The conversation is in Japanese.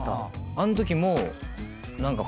あのときも何か。